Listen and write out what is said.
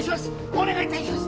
お願いいたします！